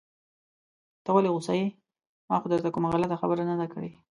ته ولې غوسه يې؟ ما خو درته کومه غلطه خبره نده کړي.